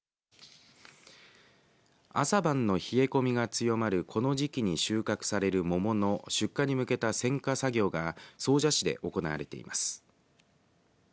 朝晩の冷え込みが強まるこの時期に収穫される桃の出荷に向けた選果作業が総社市で行われています。